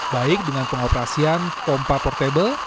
baik dengan pengoperasian pompa portable